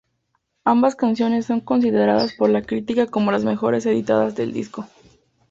Ambas canciones son consideradas por la crítica como las mejores editadas del disco.